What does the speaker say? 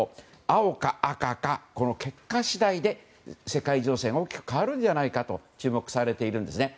青か赤か、この結果次第で世界情勢も変わるんじゃないかと注目されているんですね。